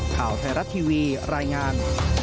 ข่าวไทยรัฐทีวีรายงาน